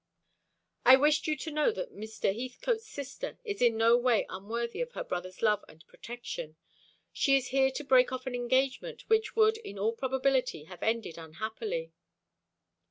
"I wished you to know that Mr. Heathcote's sister is in no way unworthy of her brother's love and protection. She is here to break off an engagement which would in all probability have ended unhappily."